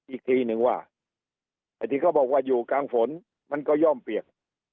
อีกทีนึงว่าไอ้ที่เขาบอกว่าอยู่กลางฝนมันก็ย่อมเปียก